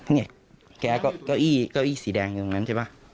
นี่แก้เก้าอี้สีแดงตรงนั้นใช่ป่ะ